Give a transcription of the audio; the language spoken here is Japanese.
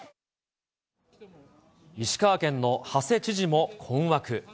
石川県の馳知事も困惑。